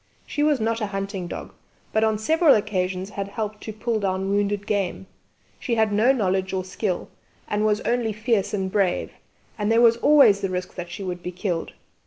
She was not a hunting dog, but on several occasions had helped to pull down wounded game; she had no knowledge or skill, and was only fierce and brave, and there was always the risk that she would be killed.